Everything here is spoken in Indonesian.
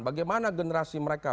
bagaimana generasi mereka